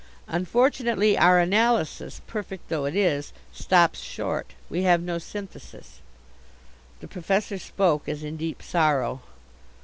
"Unfortunately our analysis, perfect though it is, stops short. We have no synthesis." The Professor spoke as in deep sorrow.